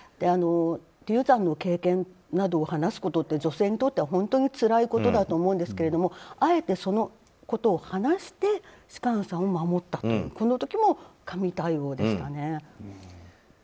流産の経験などを話すことって女性にとって本当につらいことだと思うんですけどあえて、そのことを話して芝翫さんを守ったというこの時も神対応でしたね。